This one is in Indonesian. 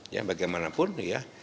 ya bagaimanapun ya